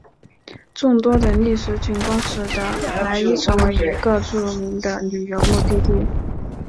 众多的历史景观使得莱伊成为一个著名的旅游目的地。